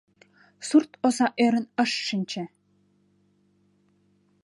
Сурт оза ӧрын ыш шинче.